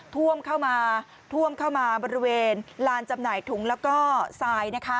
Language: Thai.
ท่วมเข้ามาท่วมเข้ามาบริเวณลานจำหน่ายถุงแล้วก็ทรายนะคะ